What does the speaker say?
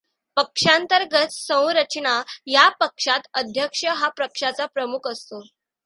पक्षांतर्गत संरचना या पक्षात अध्यक्ष हा पक्षाचा प्रमुख असतो.